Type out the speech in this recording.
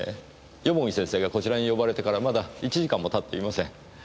蓬城先生がこちらに呼ばれてからまだ１時間も経っていません。